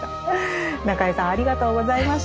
中江さんありがとうございました。